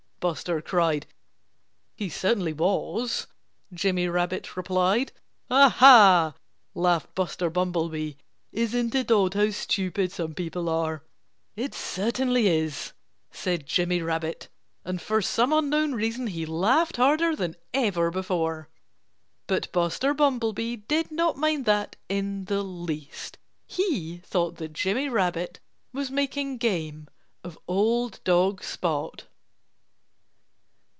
Buster cried. "He certainly was," Jimmy Rabbit replied. "Ha! ha!" laughed Buster Bumblebee. "Isn't it odd how stupid some people are?" "It certainly is!" said Jimmy Rabbit. And for some unknown reason he laughed harder than ever before. But Buster Bumblebee did not mind that in the least. He thought that Jimmy Rabbit was making game of old dog Spot.